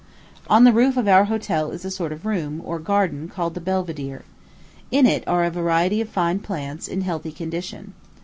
On the roof of our hotel is a sort of room, or garden, called the Belvedere. In it are a variety of fine plants, in healthy condition.